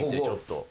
ちょっと。